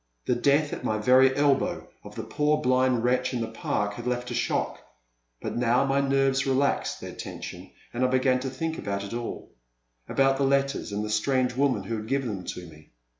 The death at my very elbow of the poor blind wretch in the Park had left a shock, but now my nerves relaxed their tension and I began to think about it all, — about the letters and the strange woman who had given them to me.